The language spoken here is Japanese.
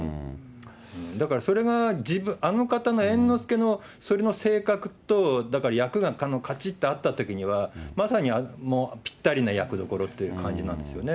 だからそれが、あの方の、猿之助のそれの性格と、だから役がかちっと合ったときには、まさにぴったりな役どころっていう感じなんですよね。